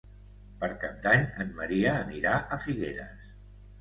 Per Cap d'Any en Maria anirà a Figueres.